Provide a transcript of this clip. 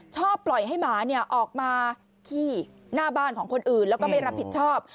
ชอบปล่อยให้หมาออกมาขี้หน้าบ้านของคนอื่นแล้วก็ไม่รับผิดชอบ